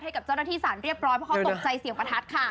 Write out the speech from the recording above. ให้กับเจ้าหน้าที่สารเรียบร้อยเพราะเขาตกใจเสียงประทัดค่ะ